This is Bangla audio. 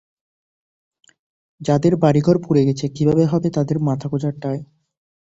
যাঁদের বাড়িঘর পুড়ে গেছে, কীভাবে হবে তাঁদের মাথাগোঁজার ঠাঁই?